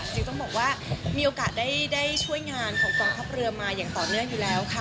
จริงต้องบอกว่ามีโอกาสได้ช่วยงานของกองทัพเรือมาอย่างต่อเนื่องอยู่แล้วค่ะ